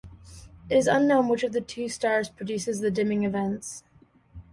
It is unknown which of the two stars produces the dimming events.